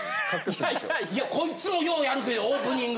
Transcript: こいつもようやるけどオープニング。